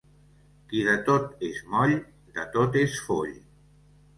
Qui de tot és moll, de tot és foll.